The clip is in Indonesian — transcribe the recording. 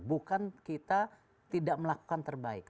bukan kita tidak melakukan terbaik